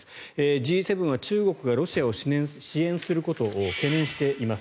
Ｇ７は中国がロシアを支援することを懸念しています。